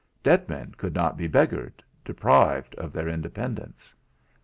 Dead men could not be beggared, deprived of their independence.